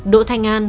độ thanh an